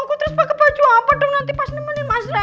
aku terus pakai baju apa dong nanti pas nemenin masalah